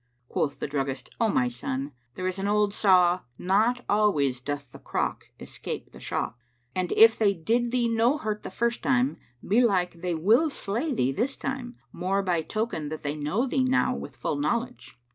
Quoth the druggist, "O my son, there is an old saw, 'Not always doth the crock escape the shock'; and if they did thee no hurt the first time, belike they will slay thee this time, more by token that they know thee now with full knowledge."